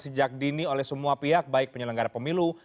sejak dini oleh semua pihak baik penyelenggara pemilu